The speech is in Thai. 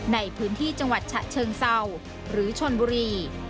ในพื้นที่จังหวัดฉะเชิงเศร้าหรือชนบุรี